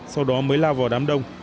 sau đó mới lao vào đám đông